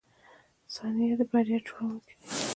• ثانیې د بریا جوړونکي دي.